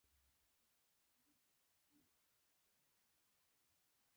موږ په دې عقیده یو چې دا جنګ غیر عادلانه دی.